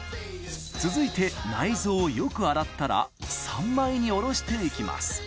続いて内臓をよく洗ったら３枚におろしていきます